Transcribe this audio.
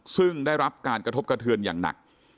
ซึ่งได้รับการกระทบกระเทือนอย่างหนัก